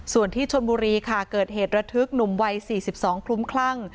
ส่วนที่ชนบุรีค่ะเกิดเหตุระทึกหนุ่มวัย๔๒คลุ้มคลั่ง